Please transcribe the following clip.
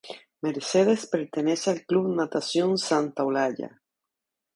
Mercedes pertenece al Club Natación Santa Olaya.